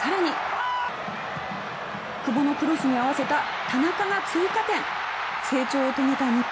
さらに久保のクロスに合わせた田中は追加点。